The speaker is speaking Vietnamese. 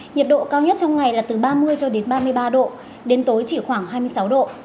nhiệt độ cao nhất trong ngày là từ ba mươi cho đến ba mươi ba độ đến tối chỉ khoảng hai mươi sáu độ